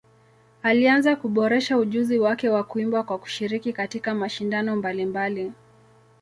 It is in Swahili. Alianza kuboresha ujuzi wake wa kuimba kwa kushiriki katika mashindano mbalimbali.